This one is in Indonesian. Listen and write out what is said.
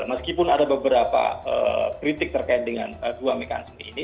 meskipun ada beberapa kritik terkait dengan dua mekanisme ini